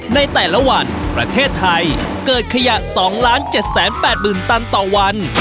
ในแต่ละวันประเทศไทยเกิดขยะ๒๗๘๐๐๐ตันต่อวัน